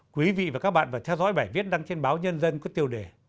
quý vị và các bạn vừa theo dõi bài viết đăng trên báo nhân dân có tiêu đề